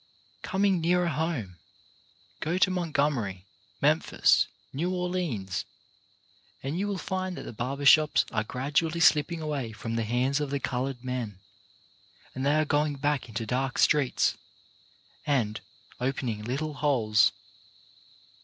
Com ing nearer home; go to Montgomery, Memphis, New Orleans, and you will find that the barber shops are gradually slipping away from the hands of the coloured men, and they are going back into dark streets and opening little holes.